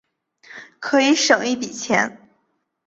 可以省一笔钱